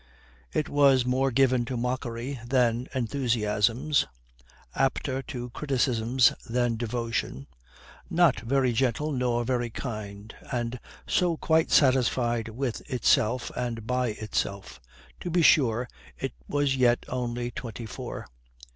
It was more given to mockery than enthusiasms, apter to criticisms than devotion, not very gentle nor very kind, and so quite satisfied with itself and by itself. To be sure, it was yet only twenty four.